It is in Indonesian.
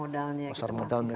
di pasar modalnya